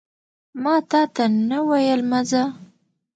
ماتاته نه ویل مه ځه